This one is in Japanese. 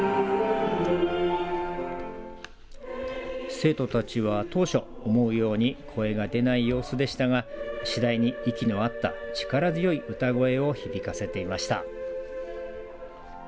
生徒たちは当初思うように声が出ない様子でしたが次第に息の合った力強い歌声を響かせていました。